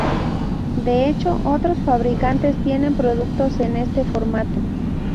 De hecho, otros fabricantes tienen productos en este formato.